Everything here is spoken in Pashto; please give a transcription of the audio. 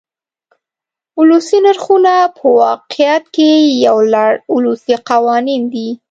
ولسي نرخونه په واقعیت کې یو لړ ولسي قوانین دي.